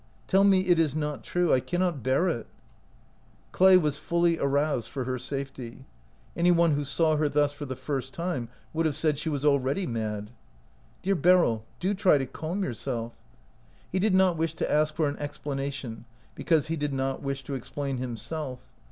" Tell me it is not true ! I cannot bear it !" Clay was fully aroused for her safety. Any one who saw her thus for the first time would have said she was already mad. "Dear Beryl, do try to calm yourself." He did not wish to ask for an explanation, because he did not wish to explain himself.